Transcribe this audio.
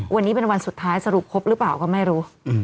วันนี้เป็นวันสุดท้ายสรุปครบหรือเปล่าก็ไม่รู้